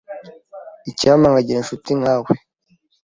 Icyampa nkagira inshuti nkawe.